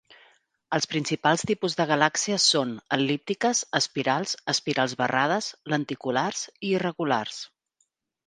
Els principals tipus de galàxies són: el·líptiques, espirals, espirals barrades, lenticulars i irregulars.